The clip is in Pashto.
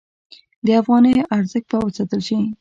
د افغانیو ارزښت به وساتل شي؟